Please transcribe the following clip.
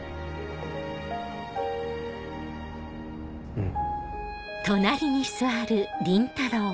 うん。